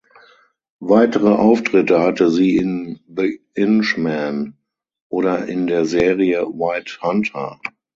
Weitere Auftritte hatte sie in "The Inch Man" oder in der Serie "White Hunter".